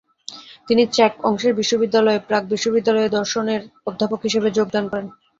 তিনি চেক অংশের বিশ্ববিদ্যালয়, প্রাগ বিশ্ববিদ্যালয়ে দর্শনের অধ্যাপক হিসেবে যোগদান করেন।